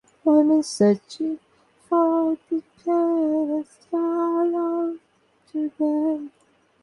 আজকের দিনে আমরা হলাম স্পেস ভাইকিং!